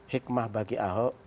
hikmah bagi ahok